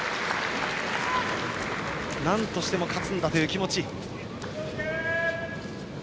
なんとしても勝つんだという気持ち。